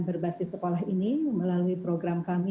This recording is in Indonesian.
berbasis sekolah ini melalui program kami